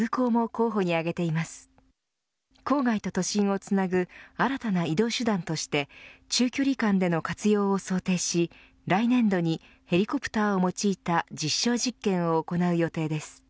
郊外と都心をつなぐ新たな移動手段として中距離間での活用を想定し来年度にヘリコプターを用いた実証実験を行う予定です。